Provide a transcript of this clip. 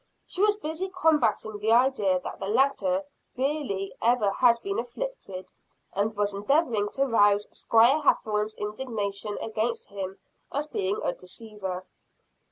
She was busy combatting the idea that the latter really ever had been afflicted and was endeavoring to rouse Squire Hathorne's indignation against him as being a deceiver.